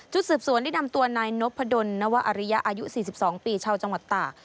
สืบสวนได้นำตัวนายนพดลนวอริยะอายุ๔๒ปีชาวจังหวัดตาก